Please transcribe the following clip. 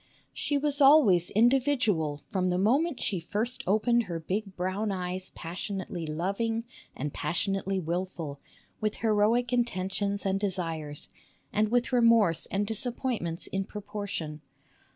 She was always individual from the moment she first opened her big brown eyes passionately loving and passionately wilful, with heroic intentions and desires, and with remorse and disappointments in proportion.